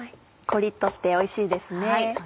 コリっとしておいしいですね。